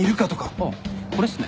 あっこれっすね。